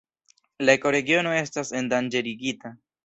La ekoregiono estas endanĝerigita.